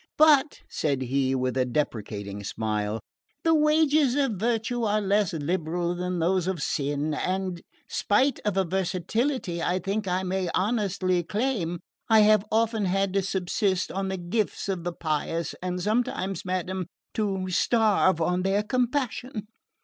But," said he with a deprecating smile, "the wages of virtue are less liberal than those of sin, and spite of a versatility I think I may honestly claim, I have often had to subsist on the gifts of the pious, and sometimes, madam, to starve on their compassion."